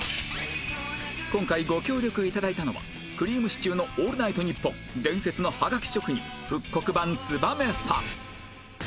今回ご協力いただいたのは『くりぃむしちゅーのオールナイトニッポン』伝説のハガキ職人復刻版ツバメさん